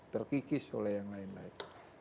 terkikis oleh yang lain lain